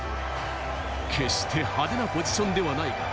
決して派手なポジションではない。